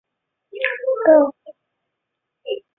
美国有两个层次的认证机构。